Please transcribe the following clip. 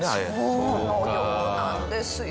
そのようなんですよ。